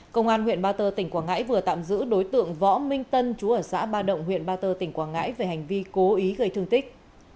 công an huyện ba tơ tỉnh quảng ngãi vừa tạm giữ đối tượng võ minh tân chú ở xã ba động huyện ba tơ tỉnh quảng ngãi về hành vi cố ý gây thương tích